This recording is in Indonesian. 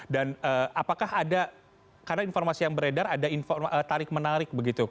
dan apakah ada karena informasi yang beredar ada tarik menarik begitu